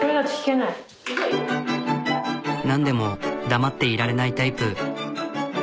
なんでも黙っていられないタイプ。